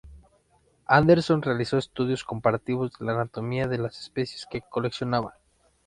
Anderson realizó estudios comparativos de la anatomía de las especies que coleccionaba.